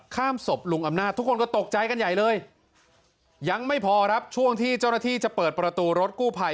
ศพลุงอำนาจทุกคนก็ตกใจกันใหญ่เลยยังไม่พอครับช่วงที่เจ้าหน้าที่จะเปิดประตูรถกู้ภัย